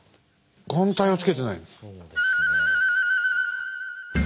眼帯をつけてないです。